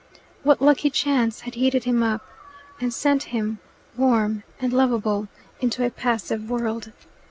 What lucky chance had heated him up, and sent him, warm and lovable, into a passive world?